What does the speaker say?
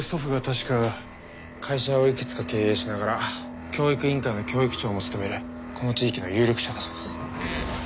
会社をいくつか経営しながら教育委員会の教育長も務めるこの地域の有力者だそうです。